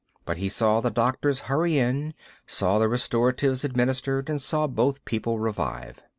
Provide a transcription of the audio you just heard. But he saw the doctors hurry in, saw restoratives administered, and saw both people revive.